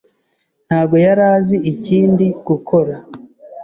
ntabwo yari azi ikindi gukora.